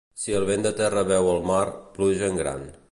Si el vent de terra veu el mar, pluja en gran.